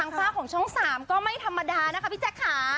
ฝ้าของช่อง๓ก็ไม่ธรรมดานะคะพี่แจ๊คค่ะ